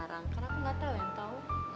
ada sekarang karena aku gak tau yang tau